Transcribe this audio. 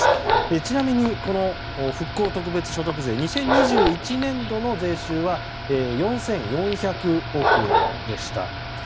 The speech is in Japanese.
ちなみに、この復興特別所得税の２０２１年度の税収は４４００億円でした。